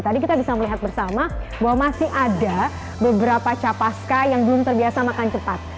tadi kita bisa melihat bersama bahwa masih ada beberapa capaska yang belum terbiasa makan cepat